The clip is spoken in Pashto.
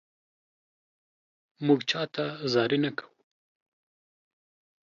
مونږ چاته زاري نه کوو